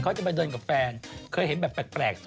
เขาจะไปเดินกับแฟนเคยเห็นแบบแปลก